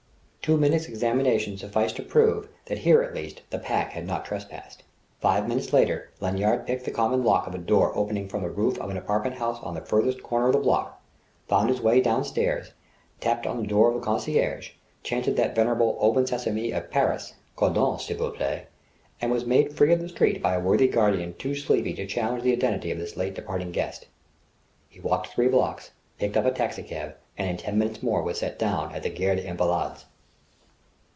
Two minutes' examination sufficed to prove that here at least the Pack had not trespassed.... Five minutes later Lanyard picked the common lock of a door opening from the roof of an apartment house on the farthest corner of the block, found his way downstairs, tapped the door of the conciergerie, chanted that venerable Open Sesame of Paris, "Cordon, s'il vous plait!" and was made free of the street by a worthy guardian too sleepy to challenge the identity of this late departing guest. He walked three blocks, picked up a taxicab, and in ten minutes more was set down at the Gare des Invalides.